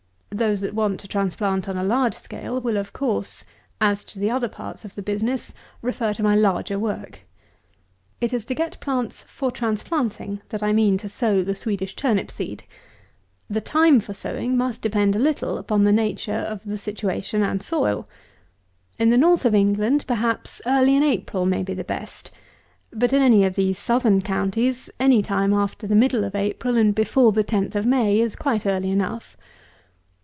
Those that want to transplant on a large scale will, of course, as to the other parts of the business, refer to my larger work. It is to get plants for transplanting that I mean to sow the Swedish Turnip Seed. The time for sowing must depend a little upon the nature of the situation and soil. In the north of England, perhaps early in April may be best; but, in any of these southern counties, any time after the middle of April and before the 10th of May, is quite early enough.